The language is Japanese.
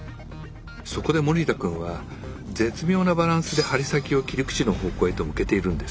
そこで森田くんは絶妙なバランスで針先を切り口の方向へと向けているんです。